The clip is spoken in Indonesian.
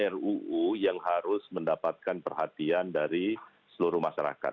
ruu yang harus mendapatkan perhatian dari seluruh masyarakat